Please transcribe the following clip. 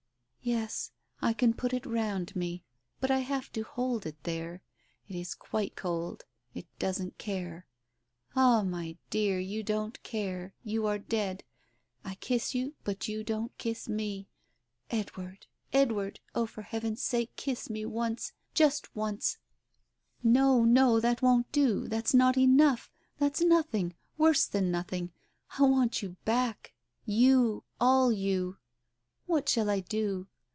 "Yes, I can put it round me, but I have to hold it there. It is quite cold — it doesn't care. Ah, my dear, you don't care ! You are dead. I kiss you, but you don't kiss me. Edward ! Edward ! Oh, for heaven's sake kiss me once. Just once ! Digitized by Google THE PRAYER 99 "No, no, that won't do— that's not enough! that's nothing ! worse than nothing ! I want you back, you, all you. ... What shall I do?